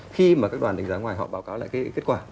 khi mà các đoàn đánh giá ngoài họ báo cáo lại cái kết quả